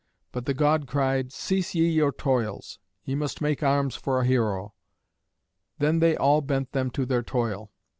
But the god cried, "Cease ye your toils. Ye must make arms for a hero." Then they all bent them to their toil.